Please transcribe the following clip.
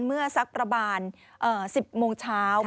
เมื่อสักประบาท๑๐โมงเช้า